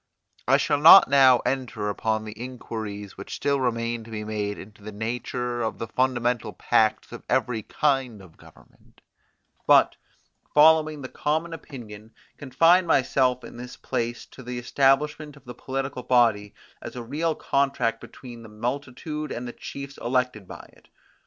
I shall not now enter upon the inquiries which still remain to be made into the nature of the fundamental pacts of every kind of government, but, following the common opinion, confine myself in this place to the establishment of the political body as a real contract between the multitude and the chiefs elected by it.